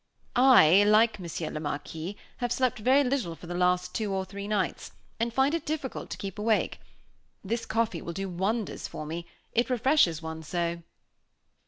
"I, like Monsieur le Marquis, have slept very little for the last two or three nights; and find it difficult to keep awake. This coffee will do wonders for me; it refreshes one so."